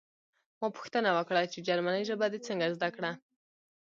ما پوښتنه وکړه چې جرمني ژبه دې څنګه زده کړه